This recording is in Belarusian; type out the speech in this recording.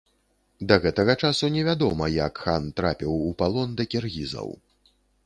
Да гэтага часу не вядома, як хан трапіў у палон да кіргізаў.